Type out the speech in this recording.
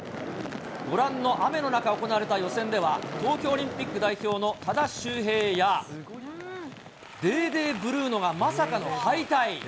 ご覧の雨の中、行われた予選では、東京オリンピック代表の多田修平や、デーデーブルーノがまさかの敗退。